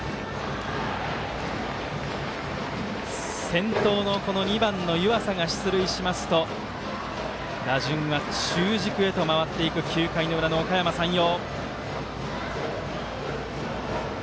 先頭の２番の湯淺が出塁しますと打順は中軸へと回っていく９回の裏のおかやま山陽。